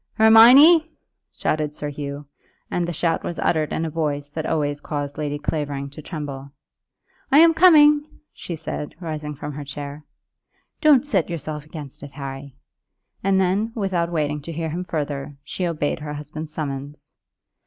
"Hermione!" shouted Sir Hugh, and the shout was uttered in a voice that always caused Lady Clavering to tremble. "I am coming," she said, rising from her chair. "Don't set yourself against it, Harry," and then, without waiting to hear him further, she obeyed her husband's summons.